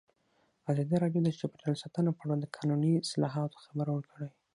ازادي راډیو د چاپیریال ساتنه په اړه د قانوني اصلاحاتو خبر ورکړی.